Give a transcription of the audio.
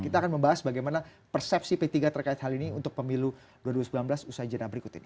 kita akan membahas bagaimana persepsi p tiga terkait hal ini untuk pemilu dua ribu sembilan belas usai jenah berikut ini